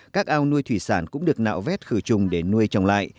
các ao nuôi thủy sản cũng được nạo vét khử trùng để nuôi trồng lại